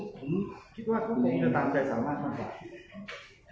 ผมคิดว่าก็คงจะตามใจสามารถมากกว่า